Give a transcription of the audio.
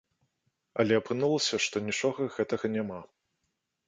Але апынулася, што нічога гэтага няма.